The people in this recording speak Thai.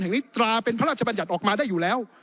นิตราเป็นพระราชบัญญัติออกมาได้อยู่แล้ว